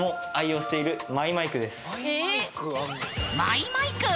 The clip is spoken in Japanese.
マイマイク⁉